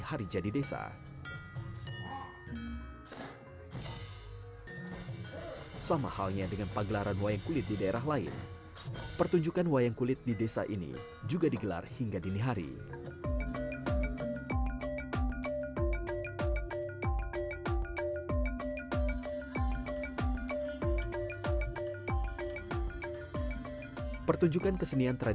biasanya dihelat bersamaan dengan hajatan besar